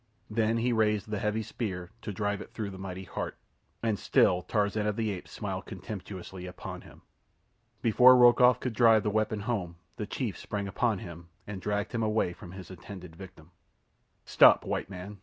Then he raised the heavy spear to drive it through the mighty heart, and still Tarzan of the Apes smiled contemptuously upon him. Before Rokoff could drive the weapon home the chief sprang upon him and dragged him away from his intended victim. "Stop, white man!"